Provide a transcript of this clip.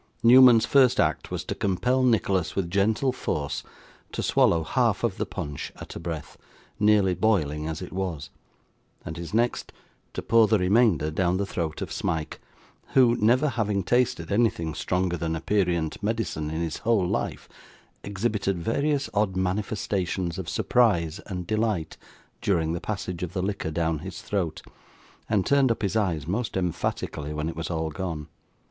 Newman's first act was to compel Nicholas, with gentle force, to swallow half of the punch at a breath, nearly boiling as it was; and his next, to pour the remainder down the throat of Smike, who, never having tasted anything stronger than aperient medicine in his whole life, exhibited various odd manifestations of surprise and delight, during the passage of the liquor down his throat, and turned up his eyes most emphatically when it was all gone.